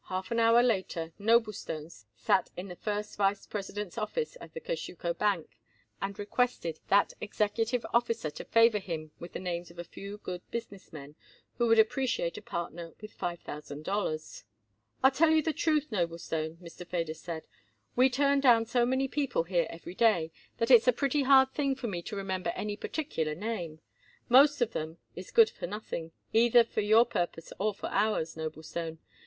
Half an hour later Noblestone sat in the first vice president's office at the Kosciusko Bank, and requested that executive officer to favor him with the names of a few good business men, who would appreciate a partner with five thousand dollars. "I'll tell you the truth, Noblestone," Mr. Feder said, "we turn down so many people here every day, that it's a pretty hard thing for me to remember any particular name. Most of 'em is good for nothing, either for your purpose or for ours, Noblestone.